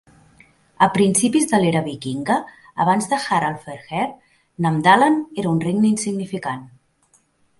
A principis de l'era vikinga, abans de Harald Fairhair, Namdalen era un regne insignificant.